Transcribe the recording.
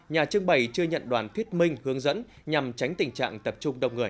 nhà trưng bày chưa nhận đoàn thuyết minh hướng dẫn nhằm tránh tình trạng tập trung đông người